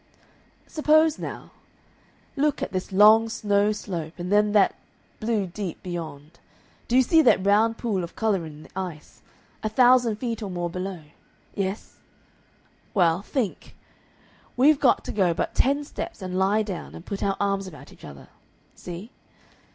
"Suppose now look at this long snow slope and then that blue deep beyond do you see that round pool of color in the ice a thousand feet or more below? Yes? Well, think we've got to go but ten steps and lie down and put our arms about each other. See?